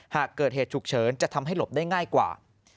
หากเกิดเหตุฉุกเฉินจะทำให้หลบได้ง่ายกว่า